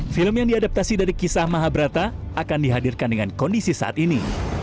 film yang diadaptasi dari kisah mahabrata akan dihadirkan dengan kondisi saat ini